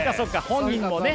本人もね。